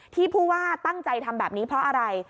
ผู้ว่าตั้งใจทำแบบนี้เพราะอะไร